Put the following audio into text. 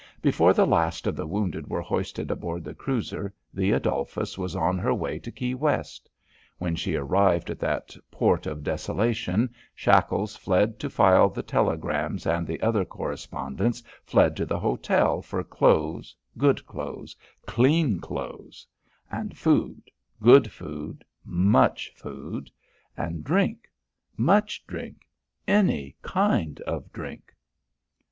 Before the last of the wounded were hoisted aboard the cruiser the Adolphus was on her way to Key West. When she arrived at that port of desolation Shackles fled to file the telegrams and the other correspondents fled to the hotel for clothes, good clothes, clean clothes; and food, good food, much food; and drink, much drink, any kind of drink.